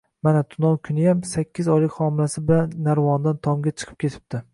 Mana, tunov kuniyam, sakkiz oylik homilasi bilan narvondan tomga chiqib ketibdi